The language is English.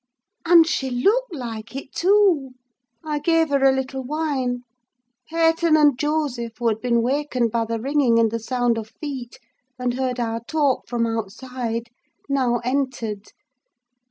"And she looked like it, too! I gave her a little wine. Hareton and Joseph, who had been wakened by the ringing and the sound of feet, and heard our talk from outside, now entered.